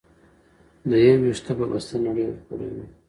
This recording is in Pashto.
د يو وېښته په بسته نړۍ وکړى وى.